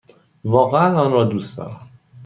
واقعا آن را دوست دارم!